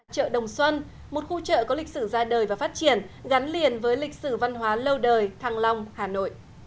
chợ đồng xuân một khu chợ có lịch sử ra đời và phát triển gắn liền với lịch sử văn hóa lâu đời thăng long hà nội